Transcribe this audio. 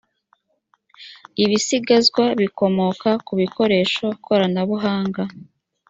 ibisigazwa bikomoka ku bikoresho koranabuhanga